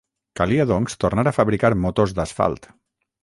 Calia, doncs, tornar a fabricar motos d'asfalt.